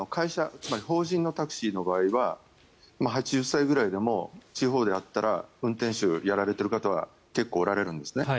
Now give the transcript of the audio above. つまり法人のタクシーの場合は８０歳ぐらいでも地方であったら運転手、やられている方は結構おられるんですね。